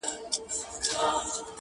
قرض د پلار هم بد دی -